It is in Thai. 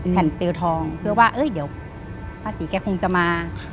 แผ่นเปลวทองเพื่อว่าเดี๋ยวป้าศรีแกคงจะมา